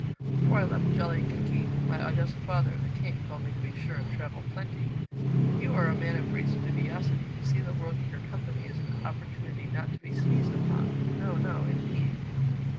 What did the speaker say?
Before I left Jolliginki my august father, the King, told me to be sure and travel plenty. You are a man of great studiosity. To see the world in your company is an opportunity not to be sneezed upon. No, no, indeed."